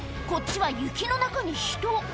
こっちは雪の中に人！